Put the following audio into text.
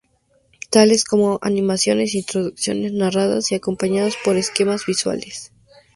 Tales como animaciones, introducciones narradas y acompañadas por esquemas visuales.